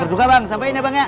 berduka bang sampein ya bang ya